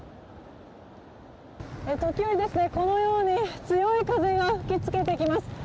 時折このように強い風が吹き付けてきます。